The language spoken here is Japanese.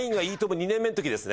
２年目の時ですね。